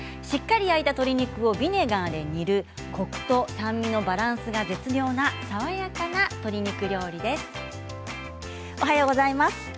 しっかり焼いた鶏肉をビネガーで煮るコクと酸味のバランスが絶妙な爽やかな鶏肉料理です。